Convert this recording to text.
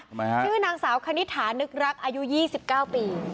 ชื่อนางสาวคณิษฐานึกรักอายุ๒๙ปี